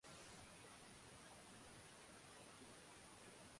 Alikuwa mtumishi katika serikali ya mapinduzi ya Zanzibar